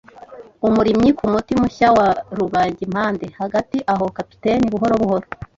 umurimyi, kumuti mushya wa rubagimpande. Hagati aho, kapiteni buhoro buhoro